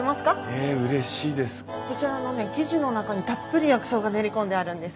こちらのね生地の中にたっぷり薬草が練り込んであるんです。